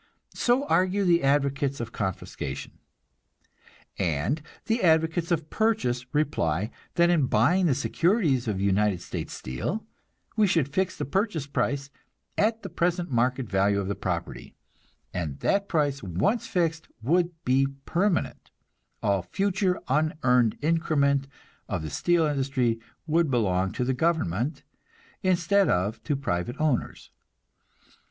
So argue the advocates of confiscation. And the advocates of purchase reply that in buying the securities of United States Steel, we should fix the purchase price at the present market value of the property, and that price, once fixed, would be permanent; all future unearned increment of the steel industry would belong to the government instead of to private owners.